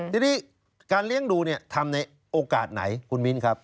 ทีนี้การเลี้ยงดูเนี่ยทำในโอกาสไหนคุณมิ้นครับ